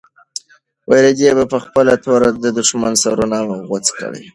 رېدي په خپله توره د دښمن سرونه غوڅ کړل.